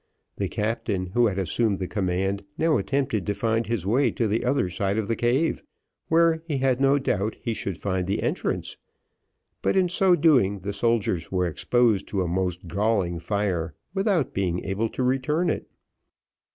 The captain who had assumed the command, now attempted to find his way to the other side of the cave, where he had no doubt he should find the entrance, but in so doing the soldiers were exposed to a most galling fire, without being able to return it.